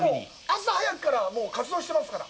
朝早くから、もう活動してますから。